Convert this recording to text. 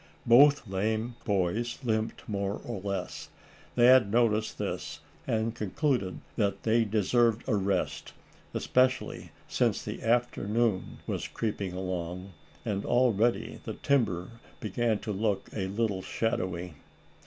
Both lame boys limped more or less. Thad noticed this, and concluded that they deserved a rest, especially since the afternoon was creeping along, and already the timber began to look a little shadowy.